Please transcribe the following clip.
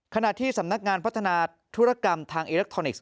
ขณะที่สำนักงานพัฒนาธุรกรรมทางอิเล็กทรอนิกส์